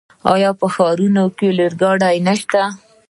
آیا په ښارونو کې ریل ګاډي نشته؟